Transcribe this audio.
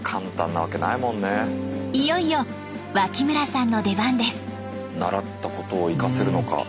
いよいよ脇村さんの出番です。